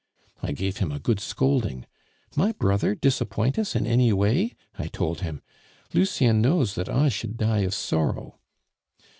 I gave him a good scolding. 'My brother disappoint us in any way!' I told him, 'Lucien knows that I should die of sorrow.